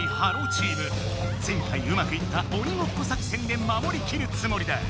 チーム前回うまくいった「鬼ごっこ作戦」でまもりきるつもりだ。